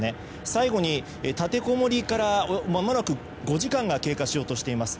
最後に立てこもりから間もなく５時間が経過しようとしています。